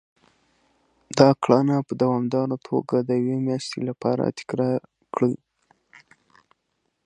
دا کړنه په دوامداره توګه د يوې مياشتې لپاره تکرار کړئ.